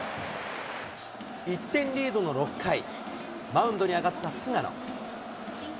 １点リードの６回、マウンドに上がった菅野。